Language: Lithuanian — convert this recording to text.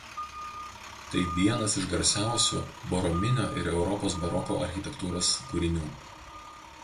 Tai vienas iš garsiausių Borominio ir Europos baroko architektūros kūrinių.